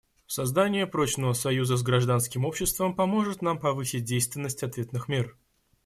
Создание прочного союза с гражданским обществом поможет нам повысить действенность ответных мер.